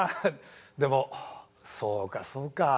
でもそうかそうか。